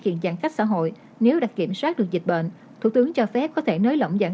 kiện giãn cách xã hội nếu đã kiểm soát được dịch bệnh thủ tướng cho phép có thể nới lỏng giãn